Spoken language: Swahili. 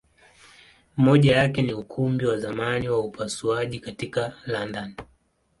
Moja yake ni Ukumbi wa zamani wa upasuaji katika London.